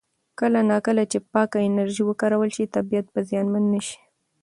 کله نا کله چې پاکه انرژي وکارول شي، طبیعت به زیانمن نه شي.